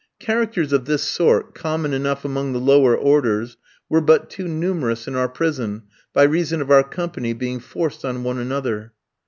Characters of this sort, common enough among the lower orders, were but too numerous in our prison, by reason of our company being forced on one another.